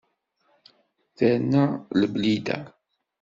Terna Leblida.